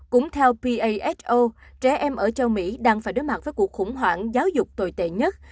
cũng theo paso trẻ em ở châu mỹ đang phải đối mặt với cuộc khủng hoảng giáo dục tồi tệ nhất